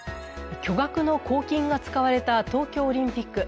巨額の公金が使われた東京オリンピック。